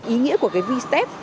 ý nghĩa của cái v step